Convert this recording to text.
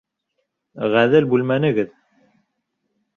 Ғәҙел бүлмәнегеҙ!